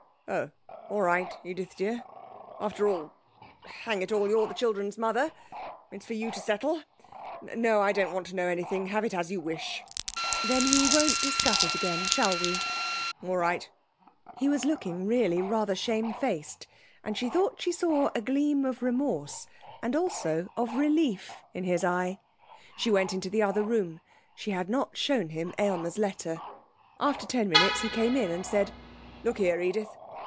'Oh, all right, Edith dear; after all hang it all you're the children's mother it's for you to settle.... No, I don't want to know anything. Have it as you wish.' 'Then we won't discuss it again. Shall we?' 'All right.' He was looking really rather shamefaced, and she thought she saw a gleam of remorse and also of relief in his eye. She went into the other room. She had not shown him Aylmer's letter. After ten minutes he came in and said: 'Look here, Edith.